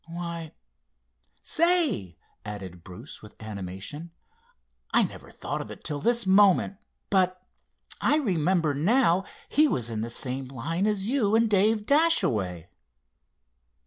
Why, say," added Bruce with animation, "I never thought of it till this moment, but I remember now he was in the same line as you and Dave Dashaway."